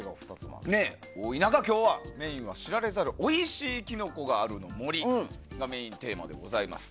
そんな中、今日は知られざるおいしいキノコがあるの森がメインテーマでございます。